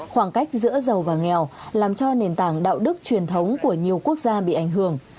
khoảng cách giữa giàu và nghèo làm cho nền tảng đạo đức truyền thống của nhiều quốc gia bị ảnh hưởng